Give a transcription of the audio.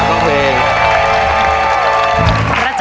สวัสดีครับน้องเพลง